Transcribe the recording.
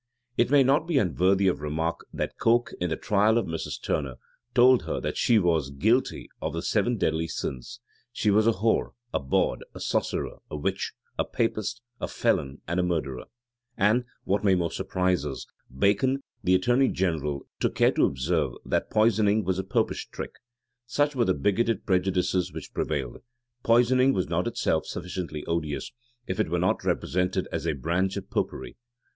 It may not be unworthy of remark, that Coke, in the trial of Mrs. Turner, told her that she was guilty of the seven deadly sins: she was a whore, a bawd, a sorcerer, a witch, a Papist, a felon, and a murderer.[*] And, what may more surprise us, Bacon, then attorney general, took care to observe, that poisoning was a Popish trick.[] Such were the bigoted prejudices which prevailed: poisoning was not of itself sufficiently odious, if it were not represented as a branch of Popery.